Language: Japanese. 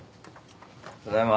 ただいま。